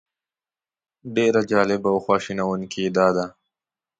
ډېره جالبه او خواشینونکې یې دا ده.